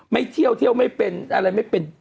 ไม่เที่ยวไม่เป็นอะไรไม่เป็น